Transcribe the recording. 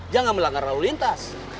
jangan melanggar lalu lintas